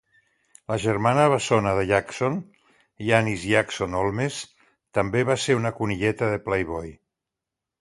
La germana bessona de Jackson, Janis Jackson Holmes, també va ser una conilleta de Playboy.